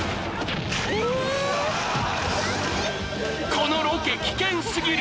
このロケ危険過ぎる！